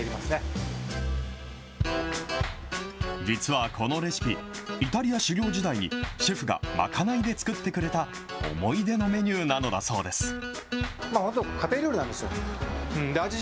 実はこのレシピ、イタリア修業時代にシェフがまかないで作ってくれたおもいでのめにゅーなのだそうです。